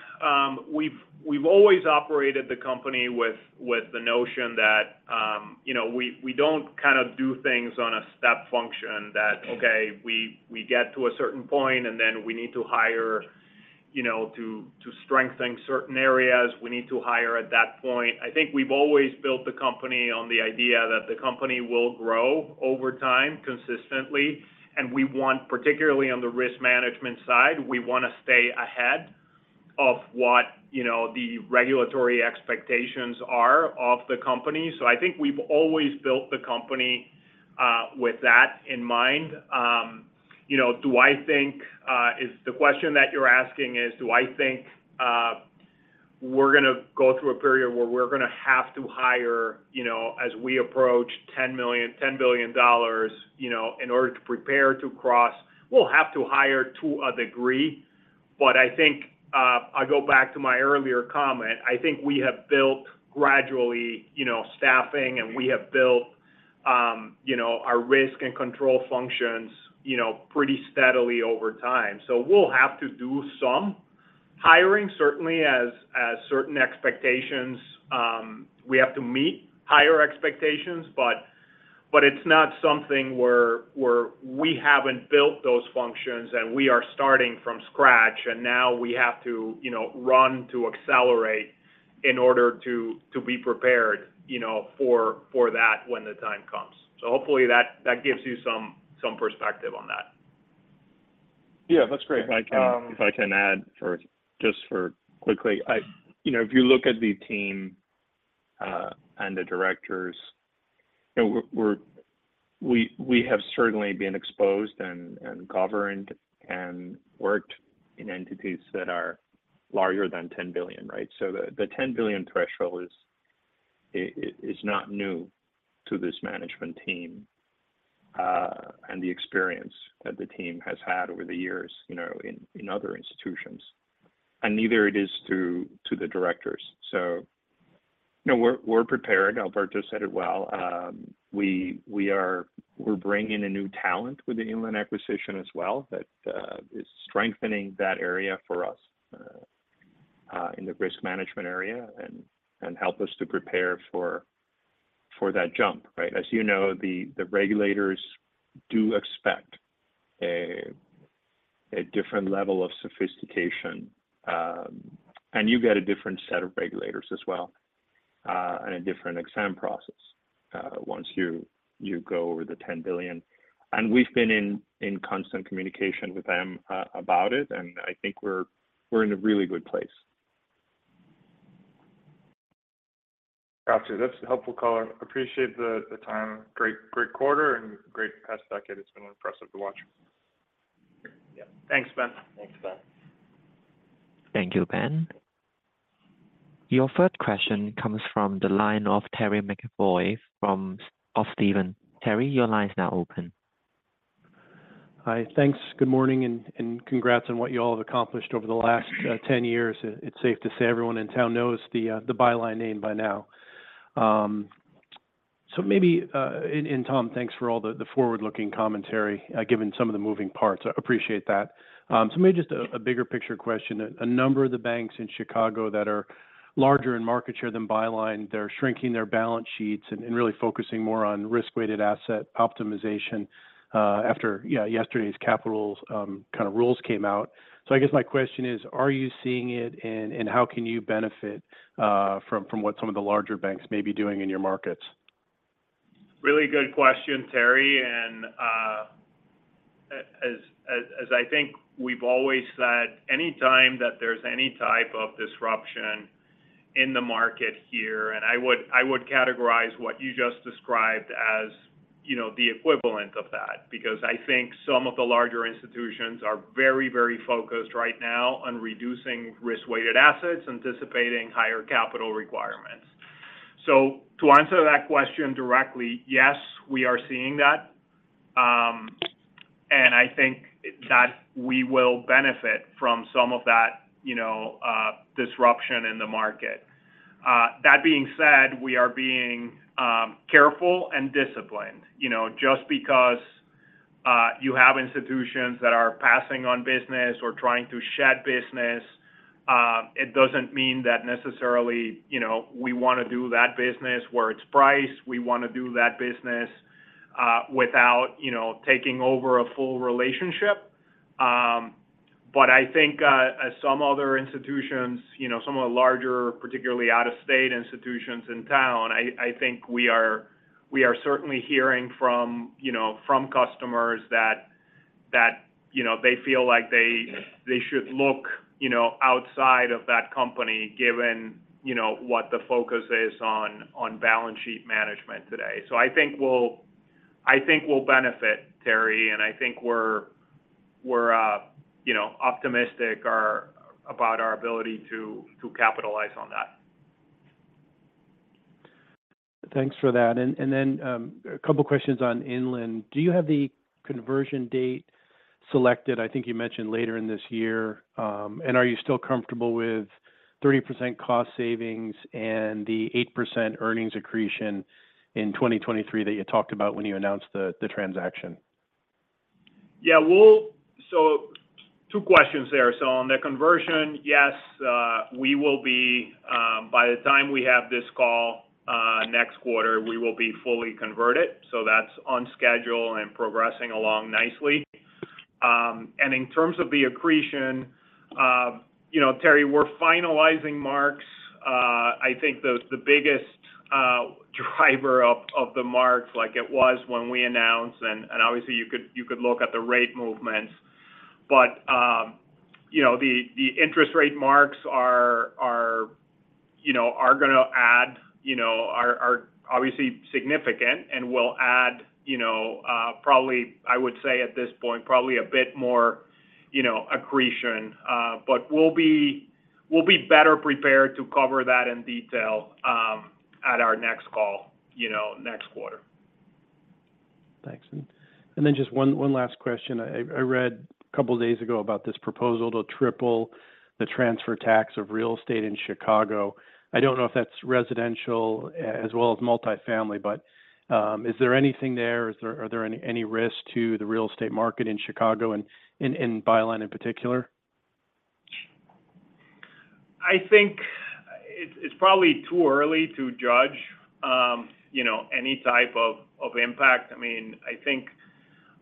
We've, we've always operated the company with, with the notion that, you know, we, we don't kind of do things on a step function that, okay, we, we get to a certain point, and then we need to hire, you know, to, to strengthen certain areas, we need to hire at that point. I think we've always built the company on the idea that the company will grow over time, consistently. We want, particularly on the risk management side, we want to stay ahead of what, you know, the regulatory expectations are of the company. I think we've always built the company with that in mind. You know, do I think. Is the question that you're asking is, do I think, we're gonna go through a period where we're gonna have to hire, you know, as we approach $10 million- $10 billion, you know, in order to prepare to cross? We'll have to hire to a degree, but I think, I go back to my earlier comment, I think we have built gradually, you know, staffing, and we have built, you know, our risk and control functions, you know, pretty steadily over time. We'll have to do some hiring, certainly, as, as certain expectations. We have to meet higher expectations, but it's not something where, where we haven't built those functions, and we are starting from scratch, and now we have to, you know, run to accelerate in order to, to be prepared, you know, for, for that when the time comes. Hopefully that gives you some perspective on that. Yeah, that's great. If I can, if I can add just for quickly. You know, if you look at the team, and the directors, you know, we're, we're, we, we have certainly been exposed and, and governed and worked in entities that are larger than 10 billion, right? The, the 10 billion threshold is, is, is not new to this management team, and the experience that the team has had over the years, you know, in, in other institutions, and neither it is to, to the directors. You know, we're, we're prepared. Alberto said it well. We, we're bringing in new talent with the Inland acquisition as well, that is strengthening that area for us, in the risk management area and, and help us to prepare.... for that jump, right? As you know, the, the regulators do expect a, a different level of sophistication. You get a different set of regulators as well, and a different exam process, once you, you go over the 10 billion. We've been in, in constant communication with them about it, and I think we're, we're in a really good place. Got you. That's a helpful color. Appreciate the, the time. Great, great quarter and great past decade. It's been impressive to watch. Yeah. Thanks, Ben. Thanks, Ben. Thank you, Ben. Your third question comes from the line of Terry McEvoy from of Stephens. Terry, your line is now open. Hi. Thanks. Good morning, and congrats on what you all have accomplished over the last 10 years. It's safe to say everyone in town knows the Byline name by now. Maybe, and Tom, thanks for all the forward-looking commentary given some of the moving parts. I appreciate that. Maybe just a bigger picture question. A number of the banks in Chicago that are larger in market share than Byline, they're shrinking their balance sheets and really focusing more on risk-weighted asset optimization after yesterday's capital kind of rules came out. I guess my question is, are you seeing it, and how can you benefit from what some of the larger banks may be doing in your markets? Really good question, Terry, as I think we've always said, anytime that there's any type of disruption in the market here, and I would, I would categorize what you just described as, you know, the equivalent of that. Because I think some of the larger institutions are very, very focused right now on reducing risk-weighted assets, anticipating higher capital requirements. To answer that question directly, yes, we are seeing that, and I think that we will benefit from some of that, you know, disruption in the market. That being said, we are being careful and disciplined. You know, just because you have institutions that are passing on business or trying to shed business, it doesn't mean that necessarily, you know, we wanna do that business where it's priced, we wanna do that business without, you know, taking over a full relationship. I think as some other institutions, you know, some of the larger, particularly out-of-state institutions in town, I, I think we are certainly hearing from, you know, from customers that, that, you know, they feel like they, they should look, you know, outside of that company, given, you know, what the focus is on, on balance sheet management today. I think we'll benefit, Terry, and I think we're, we're, you know, optimistic about our ability to, to capitalize on that. Thanks for that. Then, a couple questions on Inland. Do you have the conversion date selected? I think you mentioned later in this year. Are you still comfortable with 30% cost savings and the 8% earnings accretion in 2023 that you talked about when you announced the, the transaction? Yeah, we'll. Two questions there. On the conversion, yes, we will be. By the time we have this call next quarter, we will be fully converted, so that's on schedule and progressing along nicely. In terms of the accretion, you know, Terry, we're finalizing marks. I think the, the biggest, driver of, of the marks like it was when we announced, and, and obviously, you could, you could look at the rate movements. You know, the, the interest rate marks are, are, you know, are gonna add, you know, are, are obviously significant and will add, you know, probably, I would say at this point, probably a bit more, you know, accretion. We'll be, we'll be better prepared to cover that in detail, at our next call, you know, next quarter. Thanks. Just one last question. I, I read a couple of days ago about this proposal to triple the transfer tax of real estate in Chicago. I don't know if that's residential as well as multifamily, but, is there anything there? Are there any, any risk to the real estate market in Chicago and, and, and Byline in particular? I think it's, it's probably too early to judge, you know, any type of, of impact. I mean, I think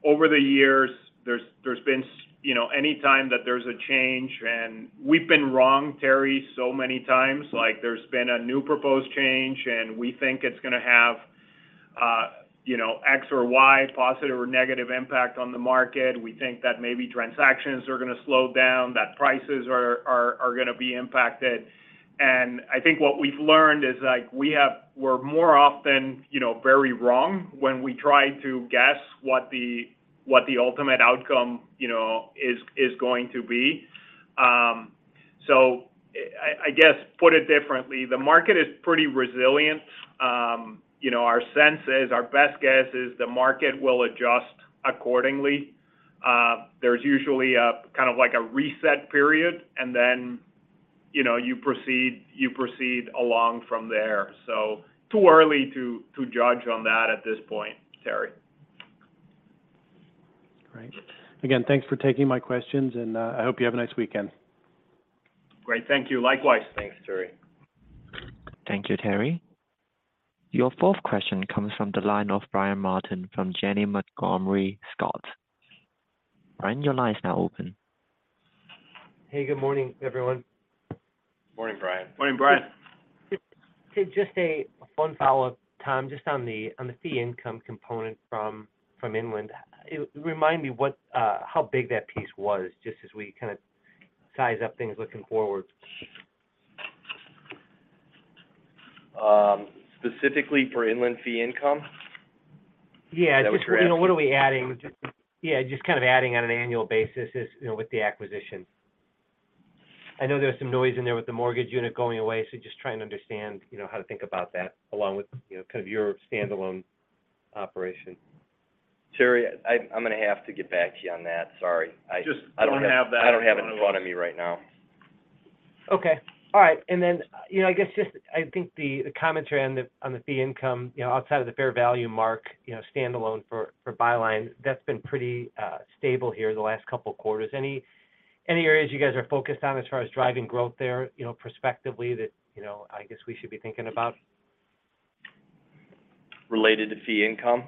over the years, there's, there's been, you know, any time that there's a change, and we've been wrong, Terry, so many times. Like, there's been a new proposed change, and we think it's gonna have, you know, X or Y, positive or negative impact on the market. We think that maybe transactions are going to slow down, that prices are, are, are going to be impacted. I think what we've learned is, like, we're more often, you know, very wrong when we try to guess what the, what the ultimate outcome, you know, is, is going to be. I guess put it differently, the market is pretty resilient. you know, our sense is, our best guess is the market will adjust accordingly. there's usually a, kind of like a reset period, and then, you know, you proceed, you proceed along from there. too early to, to judge on that at this point, Terry.... Right. Again, thanks for taking my questions, and I hope you have a nice weekend. Great. Thank you. Likewise. Thanks, Terry. Thank you, Terry. Your fourth question comes from the line of Brian Martin from Janney Montgomery Scott. Brian, your line is now open. Hey, good morning, everyone. Morning, Brian. Morning, Brian. Just, just a fun follow-up, Tom, just on the, on the fee income component from, from Inland. Remind me what how big that piece was, just as we kind of size up things looking forward. Specifically for Inland fee income? Yeah. Is that what you're asking? Just, you know, what are we adding? Yeah, just kind of adding on an annual basis as, you know, with the acquisition. I know there was some noise in there with the mortgage unit going away, so just trying to understand, you know, how to think about that along with, you know, kind of your standalone operation. Terry, I'm going to have to get back to you on that. Sorry. Just don't have that. I don't have it in front of me right now. Okay. All right. You know, I guess I think the, the commentary on the, on the fee income, you know, outside of the fair value mark, you know, standalone for, for Byline, that's been pretty stable here the last couple of quarters. Any, any areas you guys are focused on as far as driving growth there, you know, prospectively that, you know, I guess we should be thinking about? Related to fee income?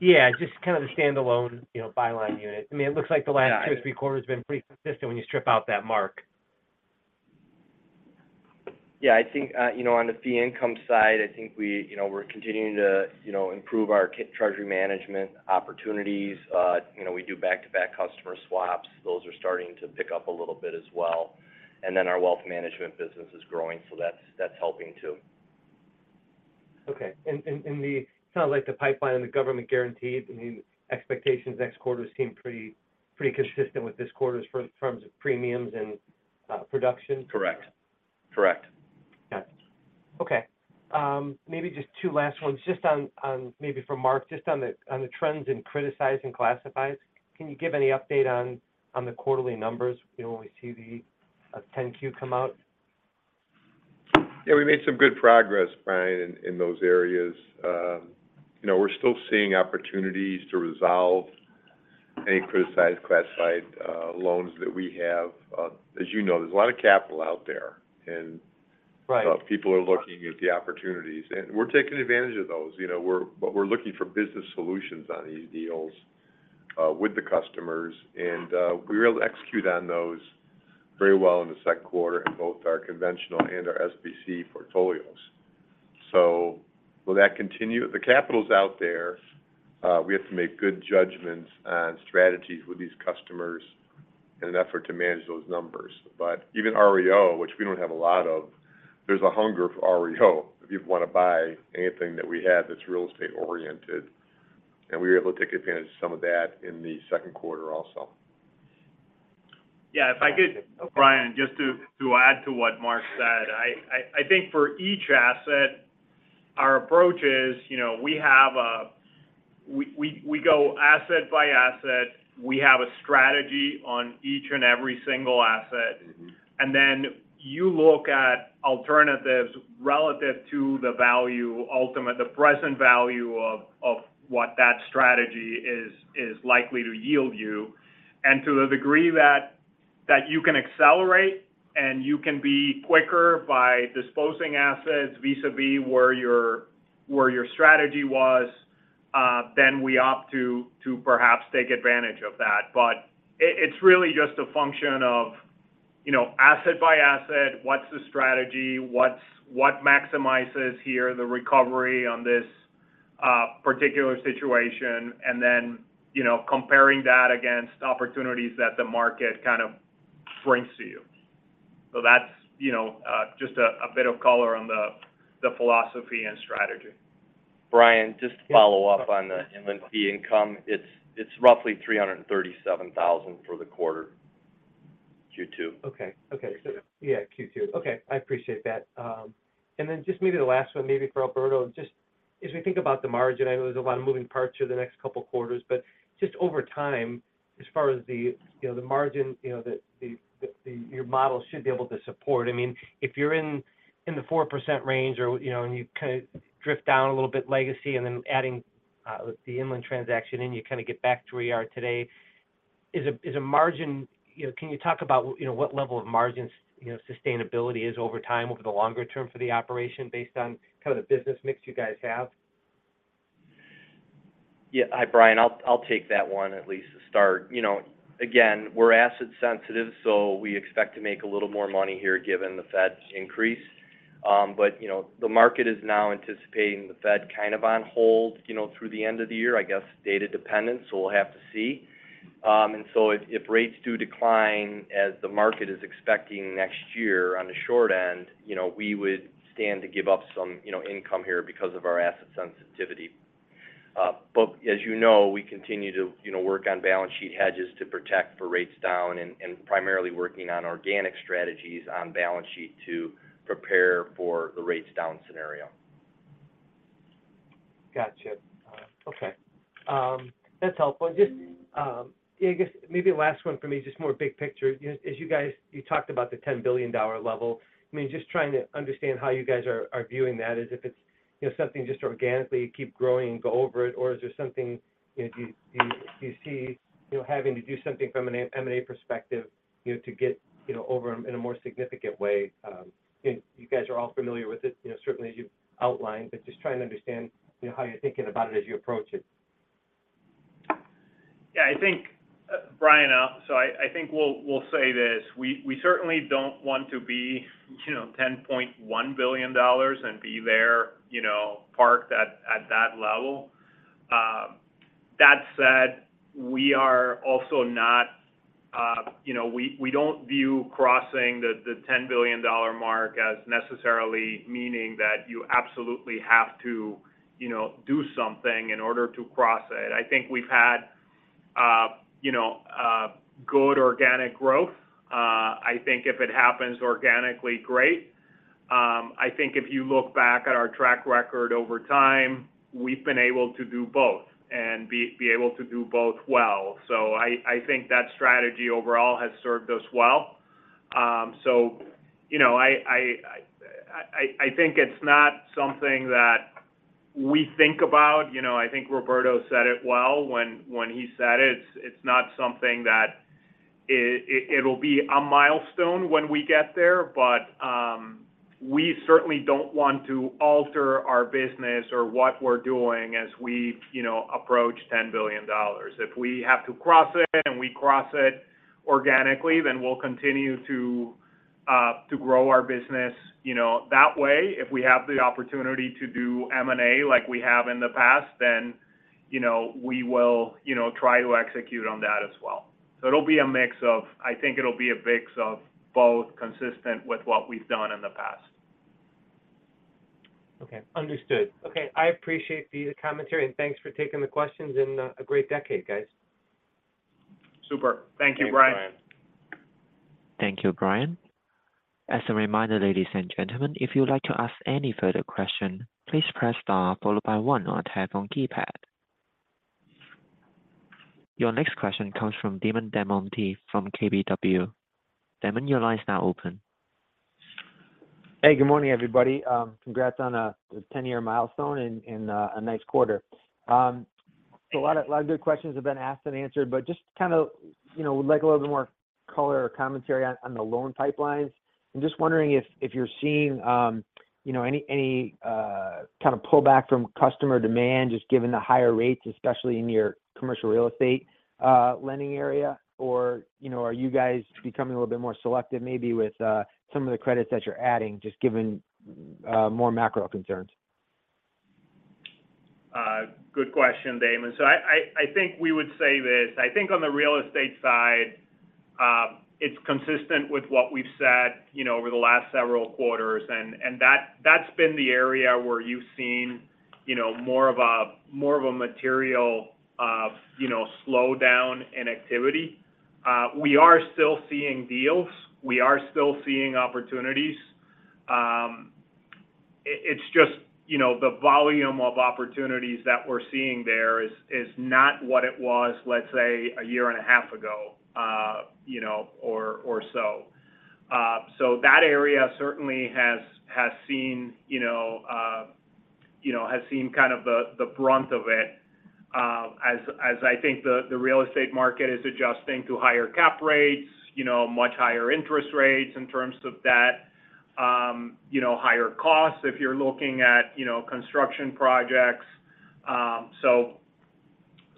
Yeah. Just kind of the standalone, you know, Byline unit. I mean, it looks like the last- Yeah two, three quarters have been pretty consistent when you strip out that mark. Yeah, I think, you know, on the fee income side, I think we, you know, we're continuing to, you know, improve our treasury management opportunities. You know, we do back-to-back customer swaps. Those are starting to pick up a little bit as well. Then our wealth management business is growing, so that's, that's helping too. Okay. Kind of like the pipeline and the government guarantees, I mean, expectations next quarter seem pretty, pretty consistent with this quarter's terms of premiums and production? Correct. Correct. Got it. Okay. Maybe just two last ones. Just maybe for Mark, just on the trends in criticized and classified, can you give any update on the quarterly numbers, you know, when we see the 10-Q come out? Yeah, we made some good progress, Brian, in, in those areas. You know, we're still seeing opportunities to resolve any criticized, classified, loans that we have. As you know, there's a lot of capital out there. Right ... people are looking at the opportunities, and we're taking advantage of those. You know, but we're looking for business solutions on these deals, with the customers, and we were able to execute on those very well in the Q2 in both our conventional and our SBC portfolios. Will that continue? The capital's out there. We have to make good judgments on strategies with these customers in an effort to manage those numbers. Even REO, which we don't have a lot of, there's a hunger for REO. People want to buy anything that we have that's real estate-oriented, and we were able to take advantage of some of that in the Q2 also. Yeah, if I could- Okay. Brian, just to, to add to what Mark said, I think for each asset, our approach is, you know, we go asset by asset. We have a strategy on each and every single asset. Mm-hmm. Then you look at alternatives relative to the value, the present value of, of what that strategy is, is likely to yield you. To the degree that, that you can accelerate and you can be quicker by disposing assets vis-a-vis where your, where your strategy was, then we opt to, to perhaps take advantage of that. It's really just a function of, you know, asset by asset, what's the strategy? What maximizes here, the recovery on this particular situation? Then, you know, comparing that against opportunities that the market kind of brings to you. That's, you know, just a, a bit of color on the, the philosophy and strategy. Brian, just to follow up on the Inland fee income, it's, it's roughly $337,000 for the quarter, Q2. Okay. Okay. Yeah. Yeah, Q2. Okay, I appreciate that. Then just maybe the last one, maybe for Alberto, just as we think about the margin, I know there's a lot of moving parts through the next couple of quarters, but just over time, as far as the, you know, the margin, you know, that your model should be able to support. I mean, if you're in, in the 4% range or, you know, and you kind of drift down a little bit legacy and then adding the Inland transaction in, you kind of get back to where you are today. You know, can you talk about, you know, what level of margin, you know, sustainability is over time, over the longer term for the operation based on kind of the business mix you guys have? Yeah. Hi, Brian. I'll, I'll take that one at least to start. You know, again, we're asset sensitive, so we expect to make a little more money here given the Fed's increase. You know, the market is now anticipating the Fed kind of on hold, you know, through the end of the year. I guess data dependent, so we'll have to see. If, if rates do decline as the market is expecting next year on the short end, you know, we would stand to give up some, you know, income here because of our asset sensitivity. As you know, we continue to, you know, work on balance sheet hedges to protect for rates down and, and primarily working on organic strategies on balance sheet to prepare for the rates down scenario.... Gotcha. Okay. That's helpful. Just, yeah, I guess maybe the last one for me, just more big picture. You know, as you guys, you talked about the $10 billion level. I mean, just trying to understand how you guys are, are viewing that as if it's, you know, something just organically keep growing and go over it, or is there something, you, you, you see, you know, having to do something from an M&A perspective, you know, to get, you know, over them in a more significant way? You guys are all familiar with it, you know, certainly, as you've outlined, but just trying to understand, you know, how you're thinking about it as you approach it. Yeah, I think, Brian, so I, I think we'll, we'll say this. We, we certainly don't want to be, you know, $10.1 billion and be there, you know, parked at, at that level. That said, we are also not, you know, we, we don't view crossing the, the $10 billion mark as necessarily meaning that you absolutely have to, you know, do something in order to cross it. I think we've had, you know, good organic growth. I think if it happens organically, great. I think if you look back at our track record over time, we've been able to do both and be, be able to do both well. I, I think that strategy overall has served us well. You know, I, I, I, I, I think it's not something that we think about. You know, I think Roberto said it well when, when he said it. It's not something that it, it, it'll be a milestone when we get there, but we certainly don't want to alter our business or what we're doing as we, you know, approach $10 billion. If we have to cross it and we cross it organically, then we'll continue to grow our business, you know, that way. If we have the opportunity to do M&A like we have in the past, then, you know, we will, you know, try to execute on that as well. I think it'll be a mix of both, consistent with what we've done in the past. Okay, understood. Okay, I appreciate the commentary. Thanks for taking the questions. A great decade, guys. Super. Thank you, Brian. Thank you, Brian. As a reminder, ladies and gentlemen, if you would like to ask any further question, please press star followed by 1 on your telephone keypad. Your next question comes from Damon DelMonte from KBW. Damon, your line is now open. Hey, good morning, everybody. Congrats on the 10-year milestone and, and a nice quarter. A lot of, lot of good questions have been asked and answered, but just to kind of, you know, would like a little bit more color or commentary on, on the loan pipelines. I'm just wondering if, if you're seeing, you know, any, any kind of pullback from customer demand, just given the higher rates, especially in your commercial real estate lending area, or, you know, are you guys becoming a little bit more selective, maybe with some of the credits that you're adding, just given more macro concerns? Good question, Damon. I think we would say this: I think on the real estate side, it's consistent with what we've said, you know, over the last several quarters, and, and that, that's been the area where you've seen, you know, more of a, more of a material, you know, slowdown in activity. We are still seeing deals. We are still seeing opportunities. It, it's just, you know, the volume of opportunities that we're seeing there is, is not what it was, let's say, a year and a half ago, you know, or, or so. That area certainly has, has seen, you know, you know, has seen kind of the, the brunt of it, as, as I think the, the real estate market is adjusting to higher cap rates, you know, much higher interest rates in terms of that. You know, higher costs if you're looking at, you know, construction projects. So,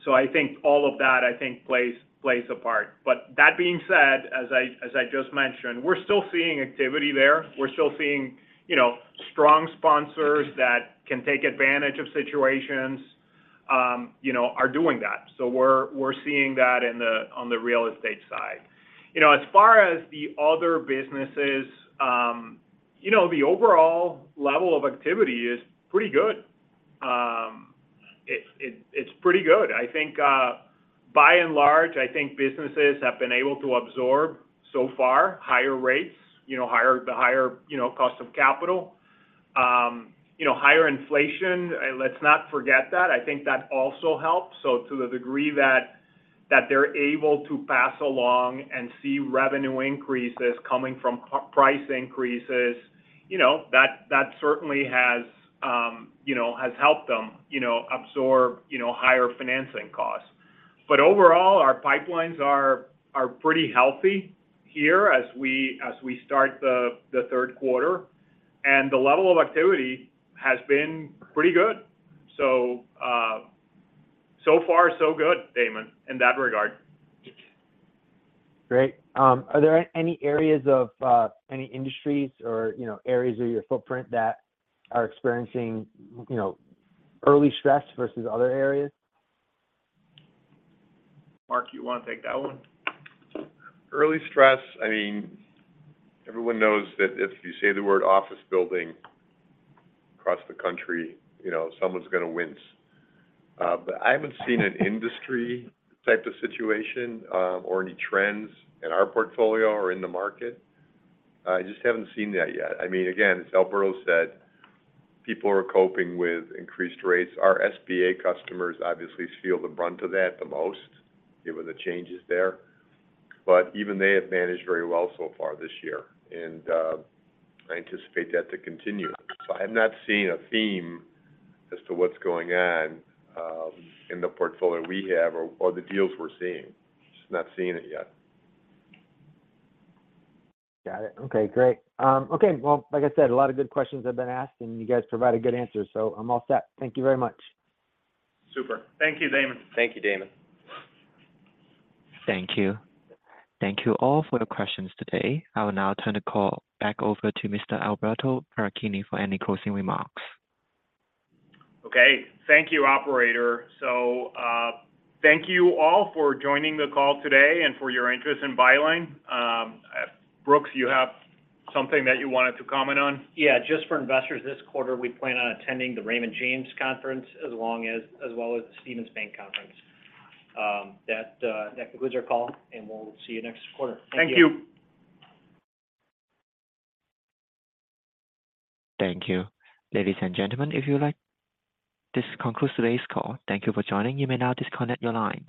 so I think all of that, I think, plays, plays a part. That being said, as I, as I just mentioned, we're still seeing activity there. We're still seeing, you know, strong sponsors that can take advantage of situations, you know, are doing that. We're, we're seeing that in the-- on the real estate side. You know, as far as the other businesses, you know, the overall level of activity is pretty good. It's, it's, it's pretty good. I think, by and large, I think businesses have been able to absorb, so far, higher rates, you know, higher, the higher, you know, cost of capital. You know, higher inflation, let's not forget that. I think that also helps. To the degree that, that they're able to pass along and see revenue increases coming from price increases, you know, that, that certainly has, you know, has helped them, you know, absorb, you know, higher financing costs. Overall, our pipelines are, are pretty healthy here as we, as we start the, the third quarter, and the level of activity has been pretty good. So far, so good, Damon, in that regard. Great. Are there any areas of, any industries or, you know, areas of your footprint that are experiencing, you know, early stress versus other areas? Mark, you want to take that one? Early stress, I mean, everyone knows that if you say the word office building across the country, you know, someone's going to wince. I haven't seen an industry type of situation or any trends in our portfolio or in the market. I just haven't seen that yet. I mean, again, as Alberto said, people are coping with increased rates. Our SBA customers obviously feel the brunt of that the most, given the changes there, even they have managed very well so far this year. I anticipate that to continue. I have not seen a theme as to what's going on in the portfolio we have or, or the deals we're seeing. Just not seeing it yet. Got it. Okay, great. Okay, well, like I said, a lot of good questions have been asked. You guys provided good answers. I'm all set. Thank you very much. Super. Thank you, Damon. Thank you, Damon. Thank you. Thank you all for the questions today. I will now turn the call back over to Mr. Alberto Paracchini for any closing remarks. Okay. Thank you, operator. Thank you all for joining the call today and for your interest in Byline. Brooks, you have something that you wanted to comment on? Yeah, just for investors this quarter, we plan on attending the Raymond James Conference, as well as the Stephens Bank Conference. That concludes our call, and we'll see you next quarter. Thank you. Thank you. Ladies and gentlemen, if you'd like... This concludes today's call. Thank you for joining. You may now disconnect your lines.